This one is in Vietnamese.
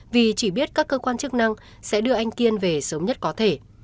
vì chỉ biết các cơ quan chức năng sẽ đưa anh kiên về sớm nhất có thể